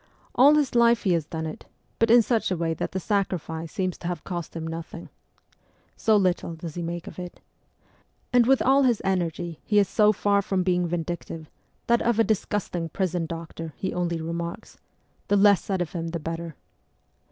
All his life he has done it, but in such a way that the sacrifice seems to have cost him nothing. So little does he make of it. And with all his energy he is so far from being vindictive, that of a disgusting prison doctor he only remarks :' The less said of him the better.'